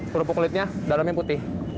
kelupuk kulitnya dalamnya putih